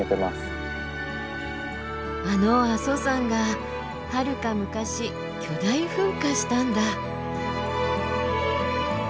あの阿蘇山がはるか昔巨大噴火したんだ。